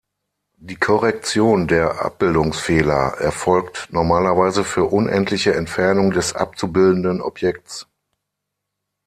Die Korrektion der Abbildungsfehler erfolgt normalerweise für unendliche Entfernung des abzubildenden Objekts.